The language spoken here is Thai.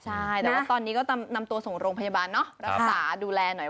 ใช่แต่ว่าตอนนี้ก็นำตัวส่งโรงพยาบาลเนาะรักษาดูแลหน่อย